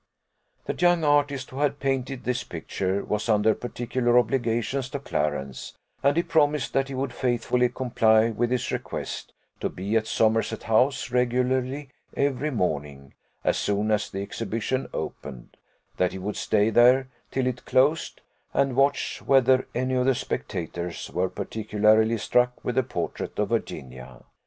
The young artist, who had painted this picture, was under particular obligations to Clarence, and he promised that he would faithfully comply with his request, to be at Somerset house regularly every morning, as soon as the exhibition opened; that he would stay there till it closed, and watch whether any of the spectators were particularly struck with the portrait of Virginia.